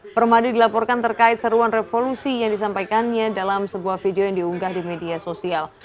permadi dilaporkan terkait seruan revolusi yang disampaikannya dalam sebuah video yang diunggah di media sosial